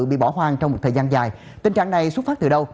bị bỏ hoang trong một thời gian dài tình trạng này xuất phát từ đâu